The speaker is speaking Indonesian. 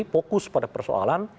fokus pada persoalan